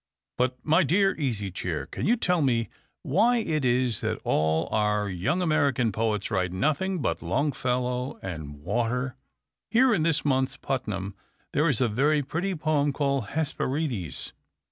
But, my dear Easy Chair, can you tell me why it is that all our young American poets write nothing but Longfellow and water? Here in this month's Putnam there is a very pretty poem called 'Hesperides.'